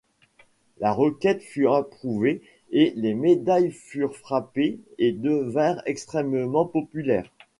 La requête fut approuvée et les médailles furent frappées et devinrent extrêmement populaires.